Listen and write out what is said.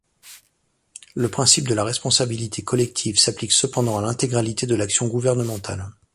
Le principe de la responsabilité collective s'applique cependant à l'intégralité de l'action gouvernementale.